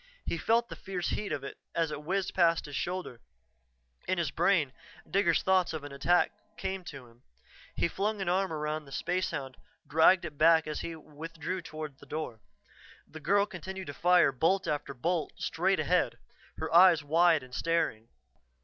He felt the fierce heat of it as it whizzed past his shoulder; in his brain Digger's thoughts of attack came to him, he flung an arm around the spacehound, dragged it back as he withdrew toward the door. The girl continued to fire bolt after bolt straight ahead, her eyes wide and staring.